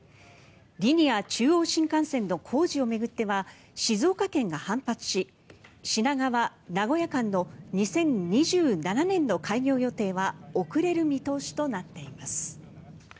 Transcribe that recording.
リニア中央新幹線の工事を巡っては静岡県が反発し品川名古屋間の２０２７年の開業予定は遅れる見通しとなっています。